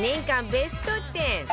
ベスト１０